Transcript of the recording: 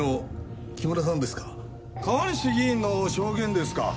川西議員の証言ですか？